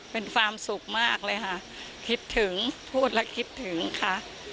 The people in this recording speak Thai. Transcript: เป็นความสุขมากเลยค่ะคิดถึงพูดและคิดถึงค่ะ